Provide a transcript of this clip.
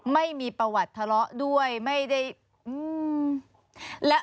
ไม่มีประวัติทะเลาะด้วยไม่ได้อืม